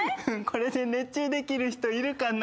これで熱中できる人いるかな？